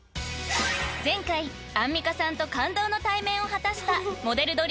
［前回アンミカさんと感動の対面を果たしたモデル